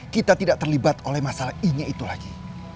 kita tidak terlibat oleh masalah ini itu lagi